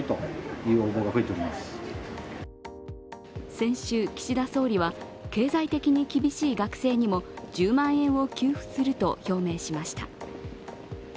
先週、岸田総理は経済的に厳しい学生にも１０万円を給付すると表明しました。